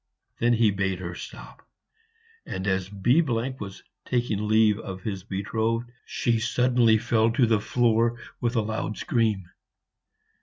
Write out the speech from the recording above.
Then he bade her stop; and as B was taking leave of his betrothed, she suddenly fell to the floor with a loud scream.